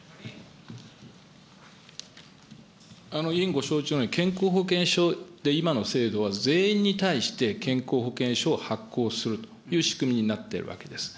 委員ご承知のように、健康保険証で今の制度は全員に対して健康保険証を発行するという仕組みになっているわけです。